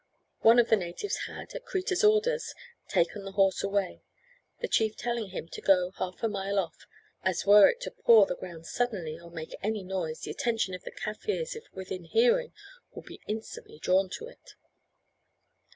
One of the natives had, at Kreta's orders, taken the horse away, the chief telling him to go half a mile off, as were it to paw the ground suddenly, or make any noise, the attention of the Kaffirs, if within hearing, would be instantly drawn to it.